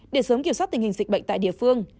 để sớm kiểm soát tình hình dịch bệnh tại địa phương